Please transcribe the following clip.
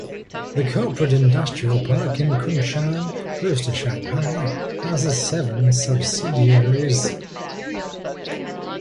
The corporate industrial park in Kunshan, close to Shanghai houses seven subsidiaries.